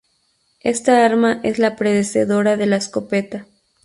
Esta arma es la predecesora de la escopeta.